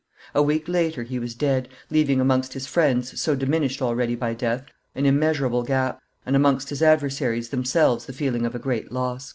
A week later he was dead, leaving amongst his friends, so diminished already by death, an immeasurable gap, and amongst his adversaries themselves the feeling of a great loss.